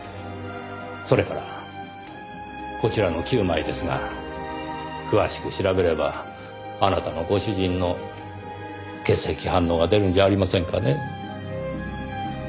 それからこちらの９枚ですが詳しく調べればあなたのご主人の血液反応が出るんじゃありませんかね？